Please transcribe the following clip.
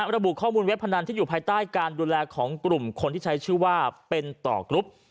ระบุข้อมูลเว็บพนันที่อยู่ภายใต้การดูแลของกลุ่มคนที่ใช้ชื่อว่าเป็นต่อกรุ๊ป